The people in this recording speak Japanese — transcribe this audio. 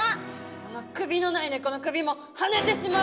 その首のない猫の首もはねてしまえ！